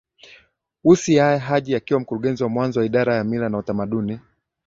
Ussi Yahya Haji akiwa mkurugenzi wa mwanzo wa Idara ya Mila na Utamaduni